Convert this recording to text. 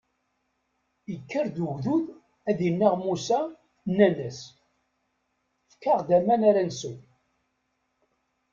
Ikker-d ugdud ad innaɣ Musa, nnan-as: Fket-aɣ-d aman ara nsew.